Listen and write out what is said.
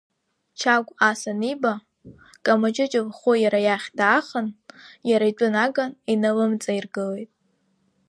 Чагә ас аниба, Камаҷыҷ лхәы иара иахь даахан, иара итәы наган иналымҵаиргылеит.